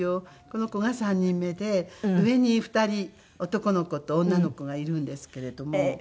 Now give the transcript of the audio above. この子が３人目で上に２人男の子と女の子がいるんですけれども。